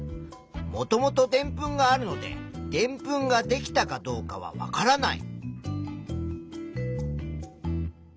もともとでんぷんがあるのででんぷんができたかどうかはわからない。